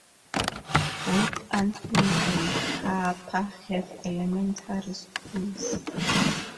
Both Anthony and Harper have elementary schools.